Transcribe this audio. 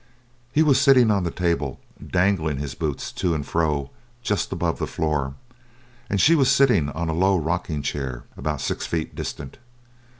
He was sitting on the table, dangling his boots to and fro just above the floor, and she was sitting on a low rocking chair about six feet distant.